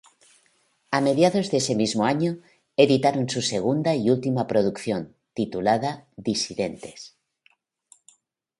A mediados de ese mismo año editaron su segunda y última producción, titulada "Disidentes".